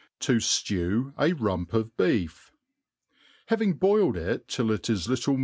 To fiew a Rump of Beef HAVING boiled it till \t is little mor?